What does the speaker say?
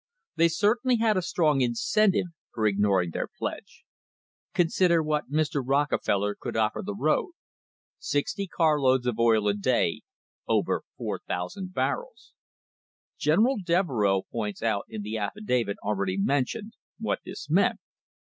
They certainly had a strong incentive for ignoring their pledge. Consider what Mr. Rocke feller could offer the road — sixty car loads of oil a day, over 4,000 barrels. General Devereux points out in the affidavit already mentioned * wjiat this meant.